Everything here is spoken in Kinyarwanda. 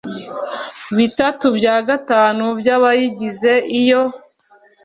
bitatu bya gatanu by abayigize Iyo